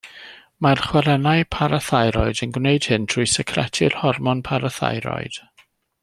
Mae'r chwarennau parathyroid yn gwneud hyn trwy secretu'r hormon parathyroid.